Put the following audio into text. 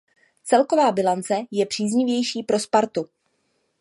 Celková bilance je příznivější pro Spartu.